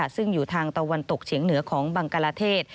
ซึ่งอยู่ทางตะวันตกเฉียงเหนือของบังกลาเทศ